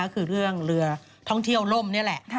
คือเรื่องเรือท่องเที่ยวล่มนี่แหละ